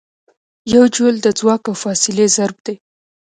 یو جول د ځواک او فاصلې ضرب دی.